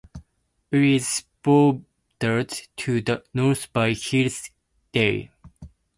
It is bordered to the north by Hill 'n Dale.